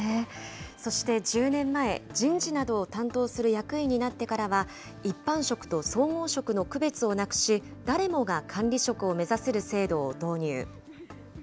そして１０年前、人事などを担当する役員になってからは、一般職と総合職の区別をなくし、誰もが管理職を目指せる制度を導入。